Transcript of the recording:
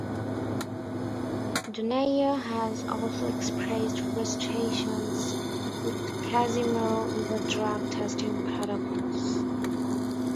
Donaire has also expressed frustrations with Casimero over drug testing protocols.